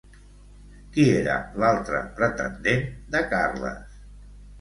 Qui era l'altre pretendent de Carles?